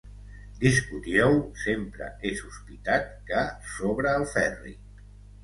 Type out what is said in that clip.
Discutíeu, sempre he sospitat que sobre el Ferri.